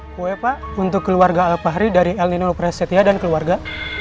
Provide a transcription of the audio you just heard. kue pak untuk keluarga al fahri dari el nino presetia dan keluarga